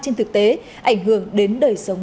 trên thực tế ảnh hưởng đến đời sống